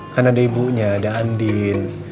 kan ada ibunya ada andin